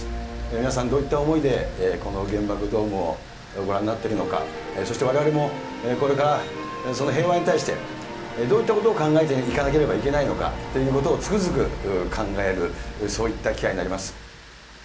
皆さんどういった思いで、この原爆ドームをご覧になっているのか、そしてわれわれも、これからその平和に対して、どういったことを考えていかなければいけないのかということをつくづく考える、そういった機会になります。